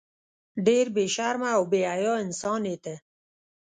ډیر بی شرمه او بی حیا انسان یی ته